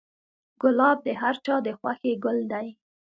ګلاب د هر چا د خوښې ګل دی.